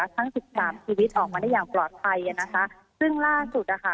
ทั้งสิบสามชีวิตออกมาได้อย่างปลอดภัยอ่ะนะคะซึ่งล่าสุดนะคะ